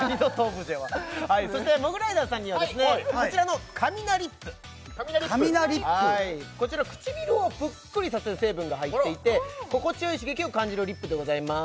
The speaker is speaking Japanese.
はいそしてモグライダーさんにはこちらのカミナリップカミナリップカミナリップこちら唇をぷっくりさせる成分が入っていて心地よい刺激を感じるリップでございます